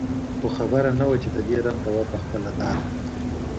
خو خبره نه وه چې د دې رنځ دوا پخپله دا ده.